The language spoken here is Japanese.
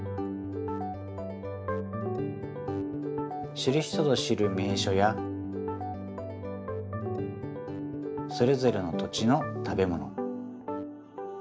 知る人ぞ知る名所やそれぞれの土地の食べもの。